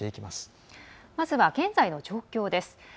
まずは現在の状況です。